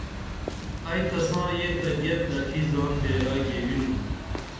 ائی تساں یہ طبیت دڇھی زان بیرائی گیوِنُم